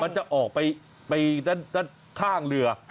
จะออกไปด้านข้างเรือ